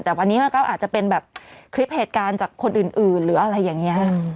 แต่วันนี้มันก็อาจจะเป็นแบบคลิปเหตุการณ์จากคนอื่นหรืออะไรอย่างนี้